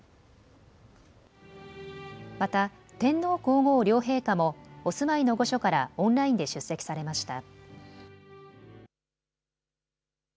また、天皇皇后両陛下もお住まいの御所からオンラインで出席されました。